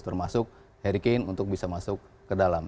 termasuk harry kane untuk bisa masuk ke dalam